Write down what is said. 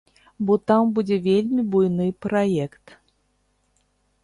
Бо там будзе вельмі буйны праект.